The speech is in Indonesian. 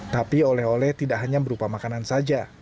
tapi oleh oleh tidak hanya berupa makanan saja